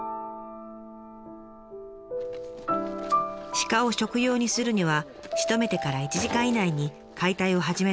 鹿を食用にするにはしとめてから１時間以内に解体を始めなければいけません。